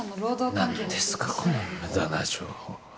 何ですかこの無駄な情報は。